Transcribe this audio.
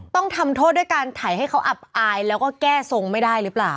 ต้องทำโทษด้วยการถ่ายให้เขาอับอายแล้วก็แก้ทรงไม่ได้หรือเปล่า